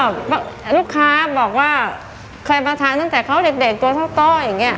ลูกค้าบอกว่าเคยมาทานตั้งแต่เขาเด็กตัวเท่าต้ออย่างเงี้